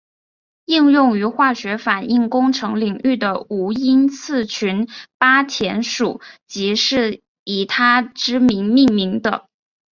应用于化学反应工程领域的无因次群八田数即是以他之名命名的。